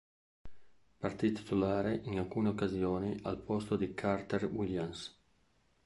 Partì titolare in alcune occasioni al posto di Carter-Williams.